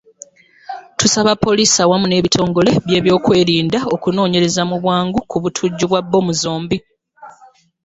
Tusaba poliisi awamu n'ebitongole by'ebyokwerinda okunoonyereza mu bwangu ku butujju bwa bbomu zombi.